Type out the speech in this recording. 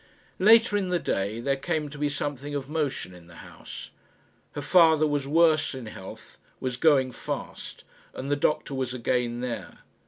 Later in the day there came to be something of motion in the house. Her father was worse in health, was going fast, and the doctor was again there.